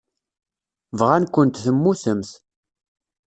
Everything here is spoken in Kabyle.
Bɣan-kent temmutemt.